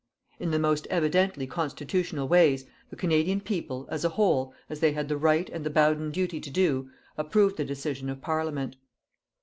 In the most evidently constitutional ways, the Canadian people, as a whole, as they had the right and the bounden duty to do, approved the decision of Parliament.